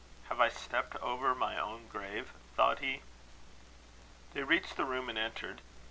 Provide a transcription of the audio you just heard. "Have I stepped over my own grave?" thought he. They reached the room, and entered.